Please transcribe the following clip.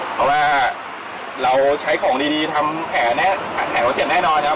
เพราะว่าเราใช้ของดีทำแขนแผลเวอร์เสียงแน่นอนครับ